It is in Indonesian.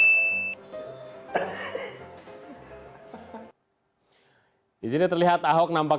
yang terakhir adalah pertanyaan dari anak muda